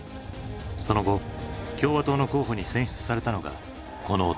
その後共和党の候補に選出されたのがこの男。